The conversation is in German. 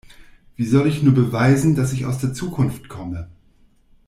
Wie soll ich nur beweisen, dass ich aus der Zukunft komme?